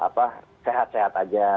apa sehat sehat aja